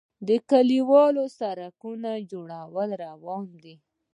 د کلیوالي سړکونو جوړول روان دي